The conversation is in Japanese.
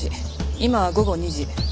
今は午後２時。